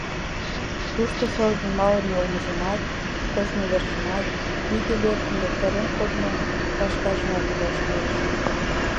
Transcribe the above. Тушто шордын малыме олмыжымат, кочмывержымат, тӱгӧ лектын, йоктарен кодымо «лашкажымат» ужаш лиеш.